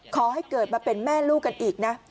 ขอให้เกิดมาเป็นแม่ลูกกันอีกนะ